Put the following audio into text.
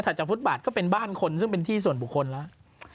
จากฟุตบาทก็เป็นบ้านคนซึ่งเป็นที่ส่วนบุคคลแล้ว